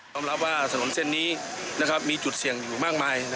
รับว่าถนนเส้นนี้มีจุดเสี่ยงอยู่มากมาย